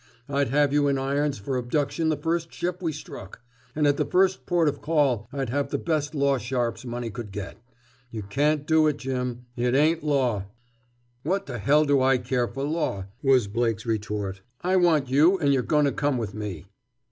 I'd have you in irons for abduction the first ship we struck. And at the first port of call I'd have the best law sharps money could get. You can't do it, Jim. It ain't law!" "What t' hell do I care for law," was Blake's retort. "I want you and you're going to come with me."